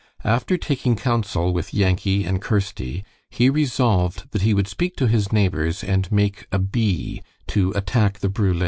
After taking counsel with Yankee and Kirsty, he resolved that he would speak to his neighbors and make a "bee," to attack the brule.